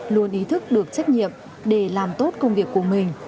luôn ý thức được trách nhiệm để làm tốt công việc của mình